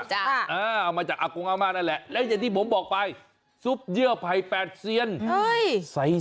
จ้ะอ่าเอามาจากนั่นแหละแล้วที่ผมบอกไปซุปเยื่อไพรแปดเซียนเฮ้ย